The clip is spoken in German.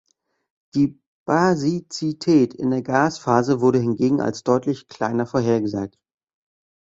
Die Basizität in der Gasphase wurde hingegen als deutlich kleiner vorhergesagt.